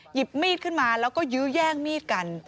หยิบมีดขึ้นมาแล้วก็ยื้อแย่งมีดกัน